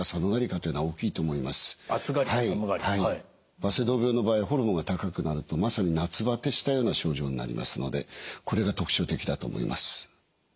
バセドウ病の場合ホルモンが高くなるとまさに夏ばてしたような症状になりますのでこれが特徴的だと思います。